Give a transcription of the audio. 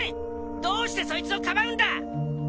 どうしてそいつをかばうんだ！